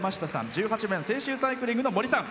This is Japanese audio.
１８番「青春サイクリング」のもりさん。